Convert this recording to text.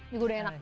juga udah enak